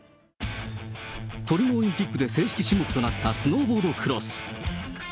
トリノオリンピックで正式種目となったスノーボードクロス。